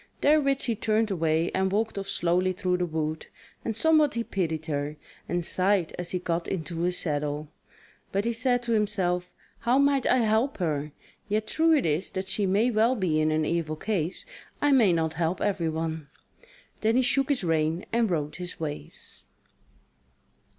Therewith she turned away and walked off slowly through the wood, and somewhat he pitied her, and sighed as he got into his saddle; but he said to himself: "How might I help her? Yet true it is that she may well be in an evil case: I may not help everyone." Then he shook his rein and rode his ways.